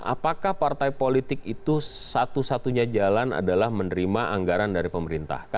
apakah partai politik itu satu satunya jalan adalah menerima anggaran dari pemerintah